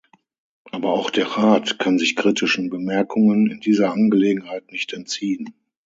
Aber auch der Rat kann sich kritischen Bemerkungen in dieser Angelegenheit nicht entziehen.